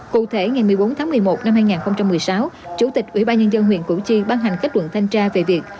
cụ thể ngày một mươi bốn tháng một mươi một năm hai nghìn một mươi sáu chủ tịch ubnd huyện củ chi bán hành kết luận thanh tra về việc